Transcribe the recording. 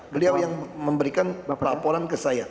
beliau yang memberikan laporan ke saya